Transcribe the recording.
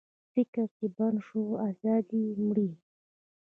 فکر چې بند شو، ازادي مري.